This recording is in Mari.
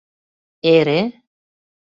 Эре?